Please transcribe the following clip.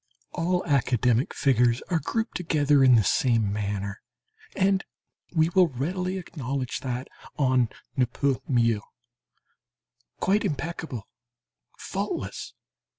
All academic figures are grouped together in the same manner, and we will readily acknowledge that on ne peut mieux. Quite impeccable faultless!